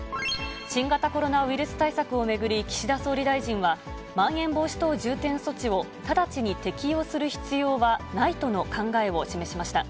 新型コロナウイルス対策を巡り、岸田総理大臣は、まん延防止等重点措置を直ちに適用する必要はないとの考えを示しました。